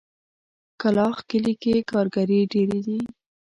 کلاخ کلي کې ګاګرې ډېرې دي.